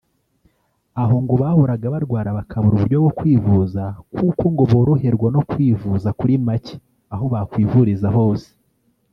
aho ngo bahoraga barwara bakabura uburyo bwo kwivuza kuko ngo boroherwa no kwivuza kuri make aho bakwivuriza hose